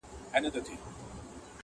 لېونو سره پرته د عشق معنا وي,